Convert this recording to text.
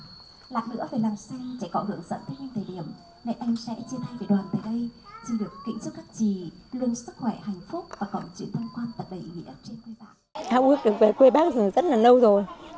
thay vì đoàn tới đây chị được kính chúc các chị lương sức khỏe hạnh phúc và cộng chuyện thăm quan tận đầy ý nghĩa trên quê bác